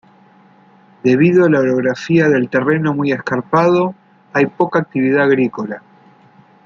Debido a la orografía del terreno, muy escarpado, hay poca actividad agrícola.